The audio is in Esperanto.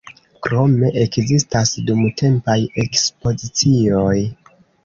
Krome ekzistas dumtempaj ekspozicioj.